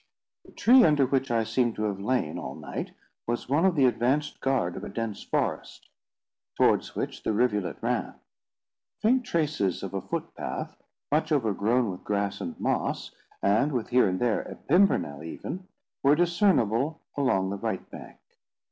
The tree under which I seemed to have lain all night was one of the advanced guard of a dense forest, towards which the rivulet ran. Faint traces of a footpath, much overgrown with grass and moss, and with here and there a pimpernel even, were discernible along the right bank.